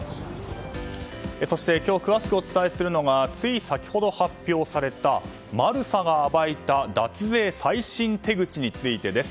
そして今日詳しくお伝えするのがつい先ほど発表されたマルサが暴いた脱税最新手口についてです。